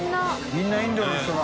みんなインドの人だ。